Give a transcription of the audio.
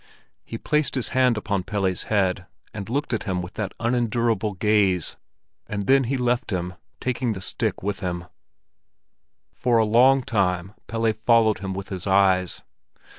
He placed his hand upon Pelle's head, and looked at him with that unendurable gaze; and then he left him, taking the stick with him. For a long time Pelle followed him with his eyes.